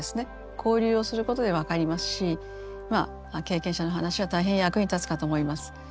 交流をすることで分かりますし経験者の話は大変役に立つかと思います。